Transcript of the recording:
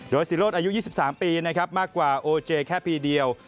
โดยซีโรดอายุ๒๓ปีมากกว่าโอเจเบจแค่พี่เดียว